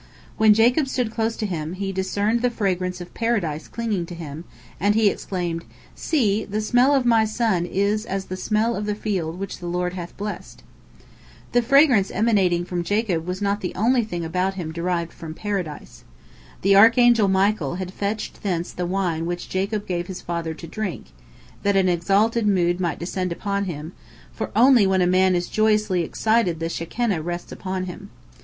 When Jacob stood close to him, he discerned the fragrance of Paradise clinging to him, and he exclaimed, "See, the smell of my son is as the smell of the field which the Lord hath blessed." The fragrance emanating from Jacob was not the only thing about him derived from Paradise. The archangel Michael had fetched thence the wine which Jacob gave his father to drink, that an exalted mood might descend upon him, for only when a man is joyously excited the Shekinah rests upon him.